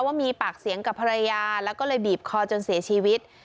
ว่ามีปากเสียงกับภรรยาแล้วก็เลยบีบคอจนเสียชีวิต